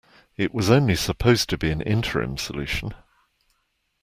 It was only supposed to be an interim solution.